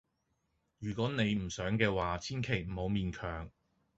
如果你唔想嘅話，千祈唔好勉強。